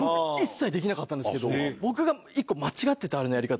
僕が一個間違っててあれのやり方。